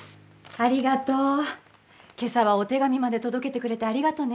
ありがとう今朝はお手紙まで届けてくれてありがとね